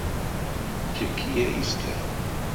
Те кие истя?